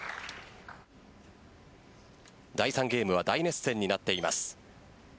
第３ゲームは大熱戦になっています。